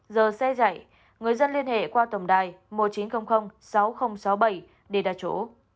giờ xe dạy người dân liên hệ qua tổng đài một chín không không sáu không sáu bảy để đặt chỗ